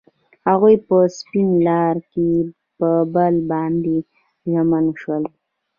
هغوی په سپین لاره کې پر بل باندې ژمن شول.